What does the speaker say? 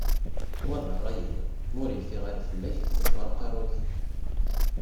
Wa d rray-iw, ma ur yeffiɣ ara fell-ak ḍebber aqerru-k.